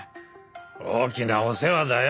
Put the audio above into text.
大きなお世話だよ。